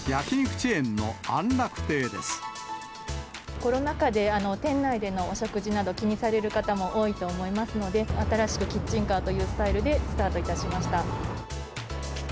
コロナ禍で、店内でのお食事など、気にされる方も多いと思いますので、新しくキッチンカーというスタイルでスタートいたしました。